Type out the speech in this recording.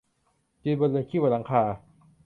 กินบนเรือนขี้บนหลังคา